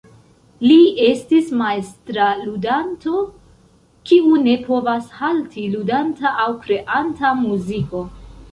Li estis majstra ludanto kiu ne povas halti ludanta aŭ kreanta muziko.